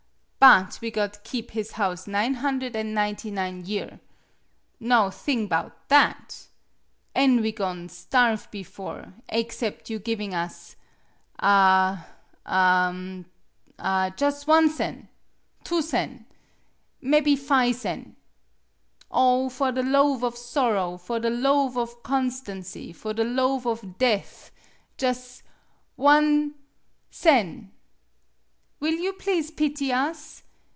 But we got keep his house nine hundred an' ninety nine year! Now thing 'bout that! An' we go'n' starve bifore, aexcep' you giving us ah ah ##/ jus' one sen! two sen! mebby fi' sen! Oh, for the loave of sorrow, for the loave of constancy, for the loave of death, jus' one sen! Will you please pity us?